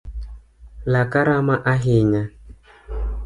Laka rama ahinya.